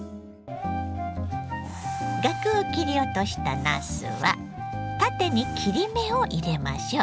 ガクを切り落としたなすは縦に切り目を入れましょう。